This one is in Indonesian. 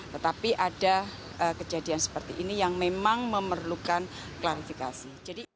tetapi ada kejadian seperti ini yang memang memerlukan klarifikasi